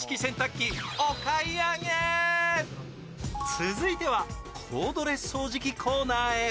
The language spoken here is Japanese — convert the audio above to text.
続いてはコードレス掃除機コーナーへ。